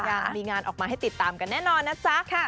ยังมีงานออกมาให้ติดตามกันแน่นอนนะจ๊ะ